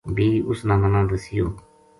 بھی اس نا منا دسیوں